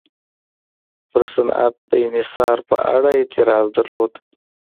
پر صنعت د انحصار په اړه اعتراض درلود.